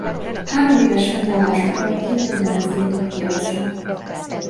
Hároméves fennállásuk alatt két nagylemezt dobtak piacra.